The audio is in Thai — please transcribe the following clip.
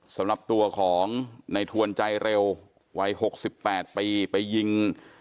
สำหรับตัวของในทวนใจเร็ววัย๖๘ปีไปยิง